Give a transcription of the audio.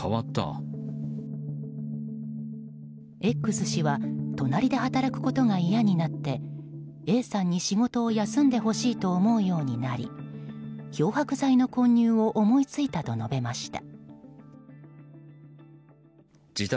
Ｘ氏は隣で働くことが嫌になってＡさんに仕事を休んでほしいと思うようになり漂白剤の混入を思いついたと述べました。